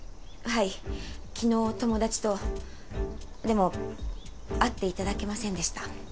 はい昨日友達とでも会っていただけませんでした